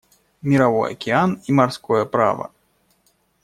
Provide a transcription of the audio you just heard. Мировой океан и морское право.